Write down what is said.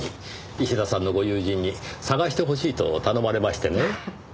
石田さんのご友人に捜してほしいと頼まれましてね。